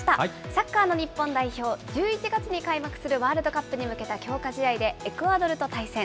サッカーの日本代表、１１月に開幕するワールドカップに向けた強化試合で、エクアドルと対戦。